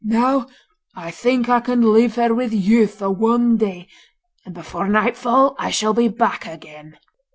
Now I think I can leave her with you for one day, and before nightfall I shall be back again.